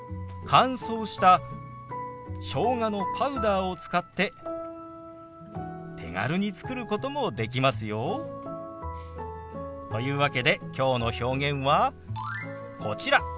乾燥したしょうがのパウダーを使って手軽に作ることもできますよ。というわけできょうの表現はこちら。